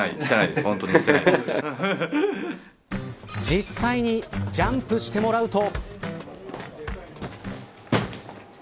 実際にジャンプしてもらうと。